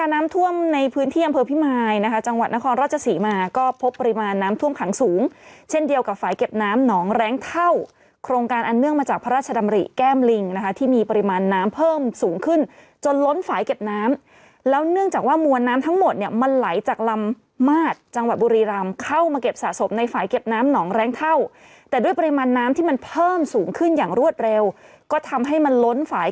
น้ำหนองแรงเท่าโครงการอันเนื่องมาจากพระราชดำริแก้มลิงนะคะที่มีปริมาณน้ำเพิ่มสูงขึ้นจนล้นฝ่ายเก็บน้ำแล้วเนื่องจากว่ามัวน้ำทั้งหมดเนี่ยมันไหลจากลำมาตรจังหวัดบุรีรามเข้ามาเก็บสะสมในฝ่ายเก็บน้ำหนองแรงเท่าแต่ด้วยปริมาณน้ำที่มันเพิ่มสูงขึ้นอย่างรวดเร็วก็ทำให้มันล้นฝ่าย